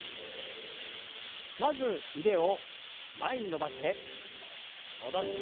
まず腕を前に伸ばして。